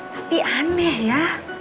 tapi aneh ya